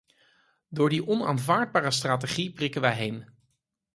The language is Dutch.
Door die onaanvaardbare strategie prikken wij heen.